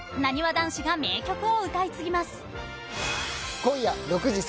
男子が名曲を歌い継ぎます。